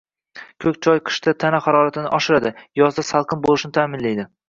Ko‘k choy qishda tana haroratini oshiradi, yozda salqin bo‘lishini ta’minlaydi.